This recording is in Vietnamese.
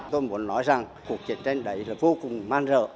tôi muốn nói rằng cuộc chiến tranh đấy là vô cùng man rợ